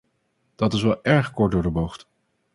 Dat is wel erg kort door de bocht.